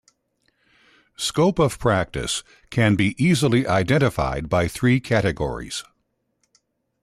Scope of practice can be easily identified by three categories.